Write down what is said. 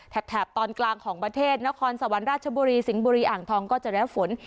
แถบตอนกลางของประเทศนครสวรรค์ราชบุรีสิงห์บุรีอ่างทองก็จะได้ฝน